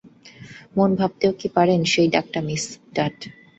মনে ভাবতেও কি পারেন সেই ডাকটা মিস ডাট।